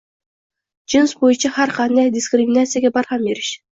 Jins bo‘yicha har qanday diskriminatsiyaga barham berish